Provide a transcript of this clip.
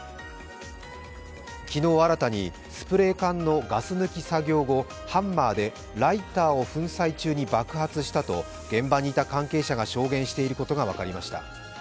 昨日新たにスプレー缶のガス抜き作業後、ハンマーでライターを粉砕中に爆発したと現場にいた関係者が証言していることが分かりました。